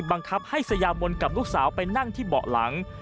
บังคับให้สยามนกับลูกสาวไปนั่งที่เบาะหลัง